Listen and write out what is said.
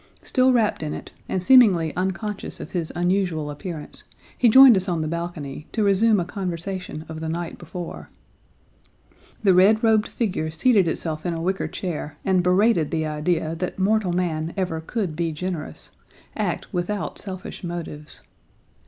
Still wrapped in it, and seemingly unconscious of his unusual appearance, he joined us on the balcony, to resume a conversation of the night before. The red robed figure seated itself in a wicker chair and berated the idea that mortal man ever could be generous, act without selfish motives.